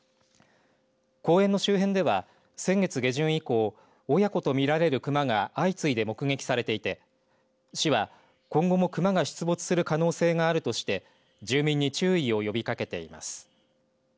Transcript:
公園の周辺では、先月下旬以降親子とみられる熊が相次いで目撃されていて市は、今後も熊が出没する可能性があるとして住民に注意を呼びかけています。